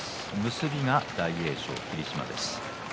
結びが大栄翔、霧島です。